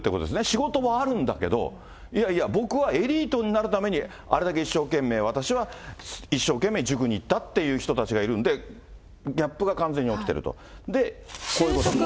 仕事もあるんだけど、いやいや、僕はエリートになるために、あれだけ一生懸命、私は一生懸命塾に行ったっていう人たちがいるんで、ギャップが完全に起きてると。